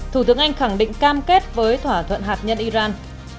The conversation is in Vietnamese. thủ tướng anh khẳng định cam kết với thỏa thuận hạt nhân iran